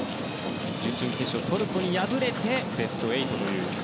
準々決勝、トルコに敗れてベスト８という。